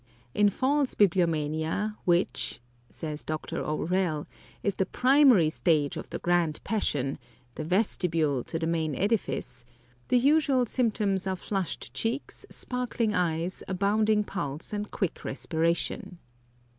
"In false bibliomania, which," says Dr. O'Rell, "is the primary stage of the grand passion the vestibule to the main edifice the usual symptoms are flushed cheeks, sparkling eyes, a bounding pulse, and quick respiration.